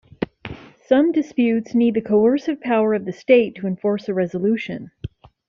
Some disputes need the coercive power of the state to enforce a resolution.